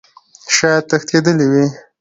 شايد تښتيدلى وي .